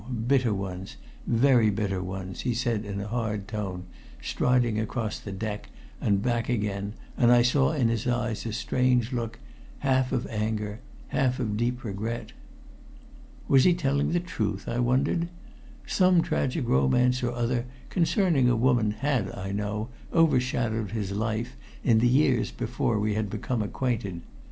Bitter ones very bitter ones," he said in a hard tone, striding across the deck and back again, and I saw in his eyes a strange look, half of anger, half of deep regret. Was he telling the truth, I wondered? Some tragic romance or other concerning a woman had, I knew, overshadowed his life in the years before we had become acquainted.